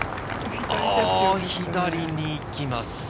左に行きます。